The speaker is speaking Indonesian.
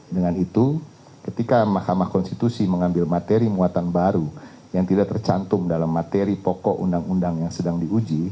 dengan itu ketika mahkamah konstitusi mengambil materi muatan baru yang tidak tercantum dalam materi pokok undang undang yang sedang diuji